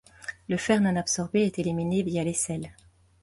Le fer non absorbé est éliminé via les selles.